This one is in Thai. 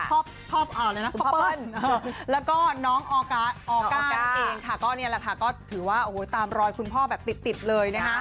ครอบครอบอ๋อเลยนะครอบเปิ้ลแล้วก็น้องออกาออกานเองค่ะก็เนี่ยแหละค่ะก็ถือว่าโอ้ยตามรอยคุณพ่อแบบติดติดเลยนะค่ะ